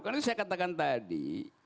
karena saya katakan tadi